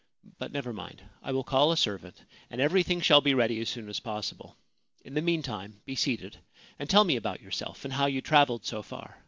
But never mind. I will call a servant, and everything shall be ready as soon as possible. In the meantime be seated, and tell me about yourself, and how you travelled so far.